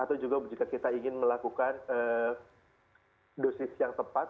atau juga jika kita ingin melakukan dosis yang tepat